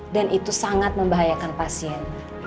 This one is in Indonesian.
dan itu sangat membahayakan pasien